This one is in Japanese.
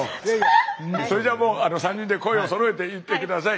それじゃあもう３人で声をそろえて言って下さい。